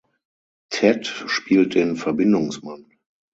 Ted spielt den Verbindungsmann.